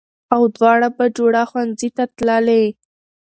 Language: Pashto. او دواړه بهجوړه ښوونځي ته تللې